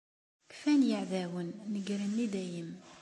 Kfan yiɛdawen, negren i dayem!